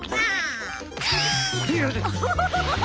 アハハハハ！